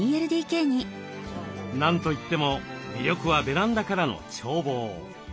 何と言っても魅力はベランダからの眺望。